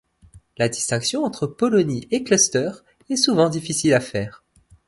La distinction entre polonies et clusters est souvent difficile à faire.